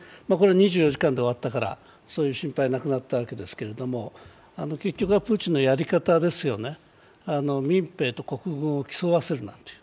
２４時間で終わったからそういう心配はなくなったんですけど結局はプーチンのやり方ですよね、民兵と国軍を競わせるなんて。